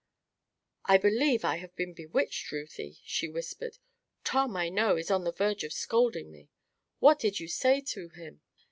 "I believe I have been bewitched, Ruthie," she whispered. "Tom, I know, is on the verge of scolding me. What did you say to him?"